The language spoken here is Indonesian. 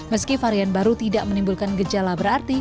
meski varian baru tidak menimbulkan gejala berarti